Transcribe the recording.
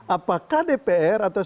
apakah dpr atau